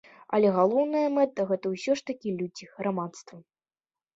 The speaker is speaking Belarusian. Але галоўная мэта гэта ўсё ж такі людзі, грамадства.